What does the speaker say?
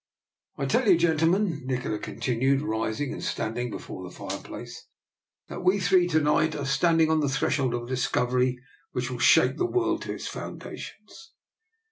' I tell you, gentlemen," Nikola continued, rising and standing before the fire place, that we three, to night, are standing on the threshold of a discovery which will shake the world to its foundations."